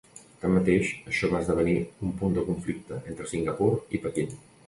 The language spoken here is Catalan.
Tanmateix, això va esdevenir un punt de conflicte entre Singapur i Pequín.